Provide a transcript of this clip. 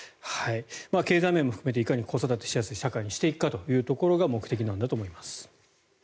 経済面も含めていかに子育てしやすい社会にしていくのかというのが目的なんだと思います。